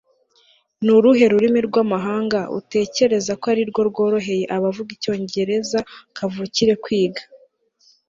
Ni uruhe rurimi rwamahanga utekereza ko arirwo rworoheye abavuga Icyongereza kavukire kwiga